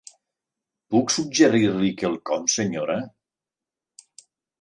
Puc suggerir-li quelcom, senyora?